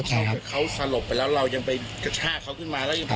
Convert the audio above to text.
กระช่าเขาขึ้นมาแล้วยังไปแปะหัว